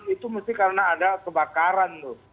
itu mesti karena ada kebakaran tuh